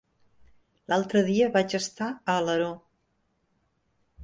L'altre dia vaig estar a Alaró.